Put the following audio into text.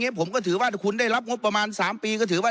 เงี้ยผมก็ถือว่าถ้าคุณได้รับงบประมาณสามปีก็ถือว่า